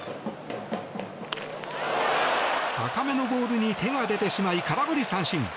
高めのボールに手が出てしまい空振り三振。